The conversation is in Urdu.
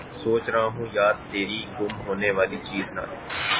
سوچ رہا ہوں یاد تیری، گم ہونے والی چیز نہ تھی